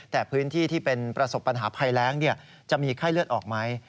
แต่พื้นที่ที่เป็นประสบปัญหาภัยแรงจะมีไข้เลือดออกไหม